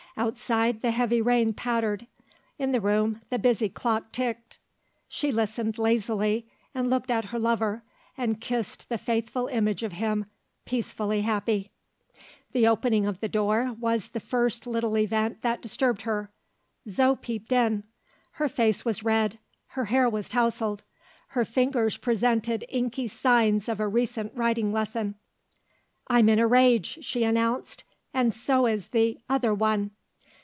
Outside, the heavy rain pattered; in the room, the busy clock ticked. She listened lazily, and looked at her lover, and kissed the faithful image of him peacefully happy. The opening of the door was the first little event that disturbed her. Zo peeped in. Her face was red, her hair was tousled, her fingers presented inky signs of a recent writing lesson. "I'm in a rage," she announced; "and so is the Other One."